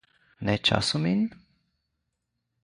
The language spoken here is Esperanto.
Ne ĉasu min?